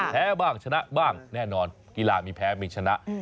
แพ้บ้างชนะบ้างแน่นอนกีฬามีแพ้มีชนะ